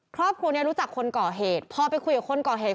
ครอบครัวนี้รู้จักคนก่อเหตุพอไปคุยกับคนก่อเหตุ